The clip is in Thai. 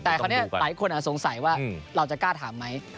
แต่คราวนี้หลายคนสงสัยว่าเราจะกล้าถามไหม